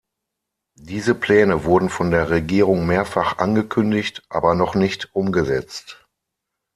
Diese Pläne wurden von der Regierung mehrfach angekündigt, aber noch nicht umgesetzt.